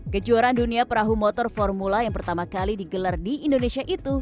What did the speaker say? kejuaraan dunia perahu motor formula yang pertama kali digelar di indonesia itu